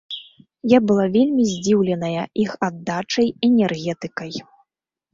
Я была вельмі здзіўленая іх аддачай, энергетыкай.